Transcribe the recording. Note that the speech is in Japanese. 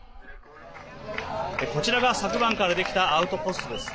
こちらが昨晩からできたアウトポストです。